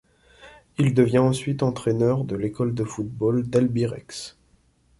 Il devient ensuite entraîneur de l'école de football d'Albirex.